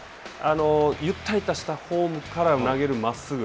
ゆったりとしたフォームから投げるまっすぐ。